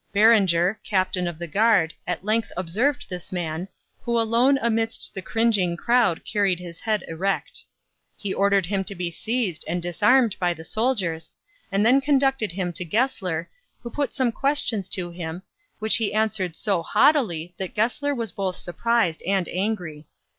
Berenger, captain of the guard, at length observed this man, who alone amidst the cringing crowd carried his head erect. He ordered him to be seized and disarmed by the soldiers, and then conducted him to Gessler, who put some questions to him, which he answered so haughtily that Gessler was both surprised and angry.